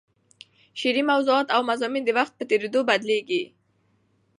شعري موضوعات او مضامین د وخت په تېرېدو بدلېږي.